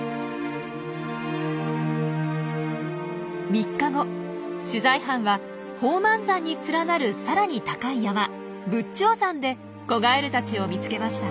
３日後取材班は宝満山に連なるさらに高い山仏頂山で子ガエルたちを見つけました。